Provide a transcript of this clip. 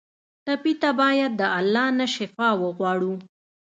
ټپي ته باید د الله نه شفا وغواړو.